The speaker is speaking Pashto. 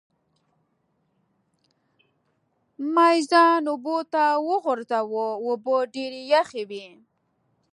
مې ځان اوبو ته وغورځاوه، اوبه ډېرې یخې وې.